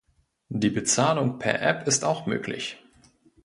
Die Bezahlung per App ist auch möglich.